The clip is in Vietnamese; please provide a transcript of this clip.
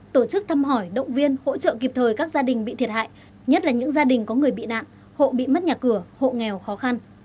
tổ chức thăm hỏi động viên hỗ trợ kịp thời các gia đình bị thiệt hại nhất là những gia đình có người bị nạn hộ bị mất nhà cửa hộ nghèo khó khăn